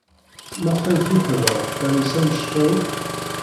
Maɣef ay tukḍed Paris anect-a akk?